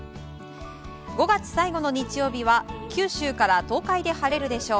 ５月最後の日曜日は九州から東海で晴れるでしょう。